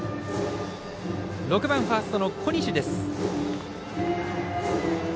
６番、ファーストの小西。